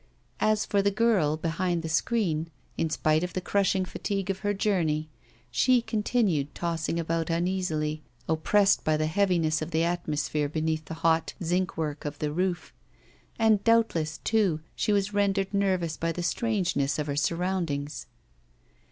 As for the girl behind the screen, in spite of the crushing fatigue of her journey, she continued tossing about uneasily, oppressed by the heaviness of the atmosphere beneath the hot zinc work of the roof; and doubtless, too, she was rendered nervous by the strangeness of her surroundings.